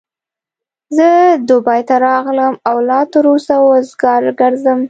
زه دبۍ ته راغلم او لا تر اوسه وزګار ګرځم.